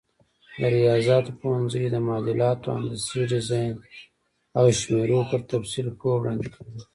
د ریاضیاتو پوهنځی د معادلاتو، هندسي ډیزاین او شمېرو پر تفصیل پوهه وړاندې کوي.